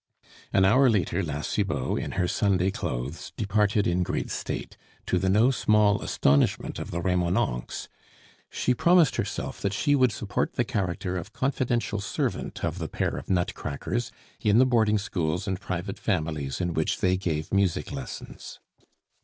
An hour later La Cibot, in her Sunday clothes, departed in great state, to the no small astonishment of the Remonencqs; she promised herself that she would support the character of confidential servant of the pair of nutcrackers, in the boarding schools and private families in which they gave music lessons.